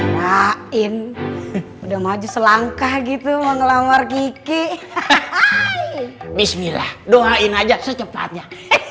lain udah maju selangkah gitu menglamar kiki bismillah doain aja secepatnya